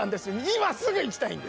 今すぐ行きたいんです。